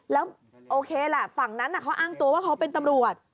แล้วโอเคแหละฝั่งนั้นเขาอ้างตัวว่าเขาเป็นตำรวจ